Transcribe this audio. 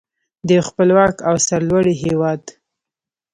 د یو خپلواک او سرلوړي هیواد.